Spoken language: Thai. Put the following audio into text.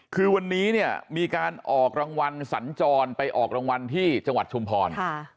คือวันนี้เนี่ยมีการออกรางวัลสัญจรไปออกรางวัลที่จังหวัดชุมพร